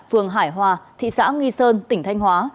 phường hải hòa thị xã nghi sơn tỉnh thanh hóa